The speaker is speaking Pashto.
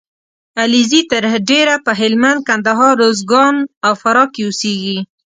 علیزي تر ډېره په هلمند ، کندهار . روزګان او فراه کې اوسېږي